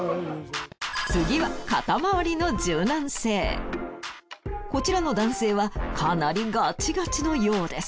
次はこちらの男性はかなりガチガチのようです。